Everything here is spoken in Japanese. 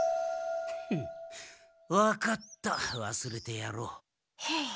フンわかったわすれてやろう。ホッ。